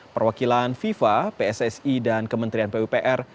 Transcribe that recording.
perwakilan fifa pssi dan kementerian pupr